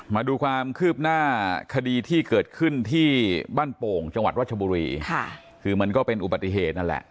มาดูความคืบหน้าคดีที่เกิดขึ้นที่บ้านโป่งจังหวัดรัชบุรีค่ะคือมันก็เป็นอุบัติเหตุนั่นแหละ